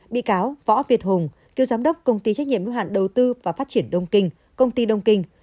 bị cáo võ việt hùng cựu giám đốc công ty trách nhiệm hữu hạn đầu tư và phát triển đông kinh công ty đông kinh